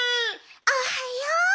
おはよう！